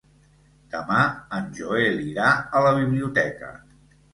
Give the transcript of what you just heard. Demà en Joel irà a la biblioteca.